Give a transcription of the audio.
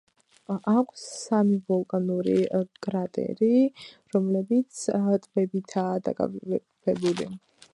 აქვს სამი ვულკანური კრატერი, რომლებიც ტბებითაა დაკავებული.